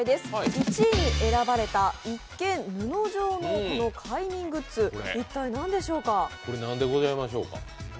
１位に選ばれた一見、布状のこの快眠グッズ、一体何でしょうか？